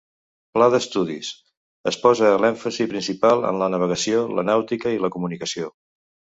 Pla d'estudis: es posa l'èmfasi principal en la navegació, la nàutica i la comunicació.